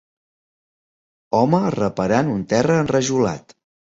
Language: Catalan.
Home reparant un terra enrajolat.